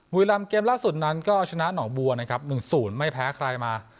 มุยรัมเกมล่าสุดนั้นก็ชนะหนองบัวนะครับหนึ่งศูนย์ไม่แพ้ใครมา